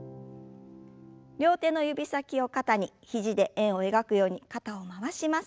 両手の指先を肩に肘で円を描くように肩を回します。